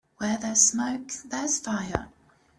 Where there's smoke there's fire.